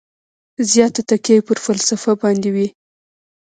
زیاته تکیه یې پر فلسفه باندې وي.